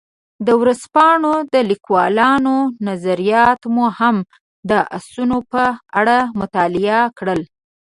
د ورځپاڼو د لیکونکو نظریات مو هم د اسونو په اړه مطالعه کړل.